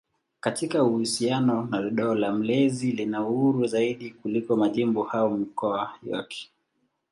Katika uhusiano na dola mlezi lina uhuru zaidi kuliko majimbo au mikoa yake.